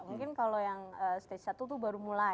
mungkin kalau yang stage satu tuh baru mulai